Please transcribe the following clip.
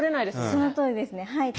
そのとおりですねはい。